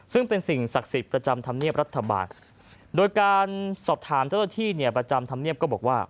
ซึ่งเป็นสิ่งศักดิ์สิทธิ์ประจำธรรมเนียบรัฐบาลโดยการสอบถามเจ้าหน้าที่เนี่ยประจำธรรมเนียบก็บอกว่า